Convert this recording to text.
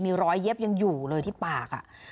มีรอยเย็บยังอยู่เลยที่ปาก